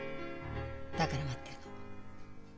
だから待ってるの。